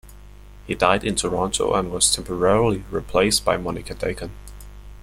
He died in Toronto and was temporarily replaced by Monica Dacon.